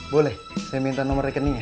boleh saya minta nomor rekeningnya